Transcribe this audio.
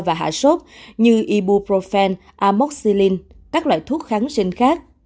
và hạ sốt như ibuprofen amoxilin các loại thuốc kháng sinh khác